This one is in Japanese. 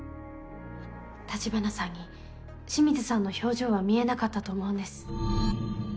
立花さんに清水さんの表情は見えなかったと思うんです。